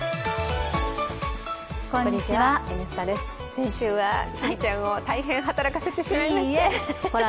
先週は日比ちゃんを大変働かせてしまいまして。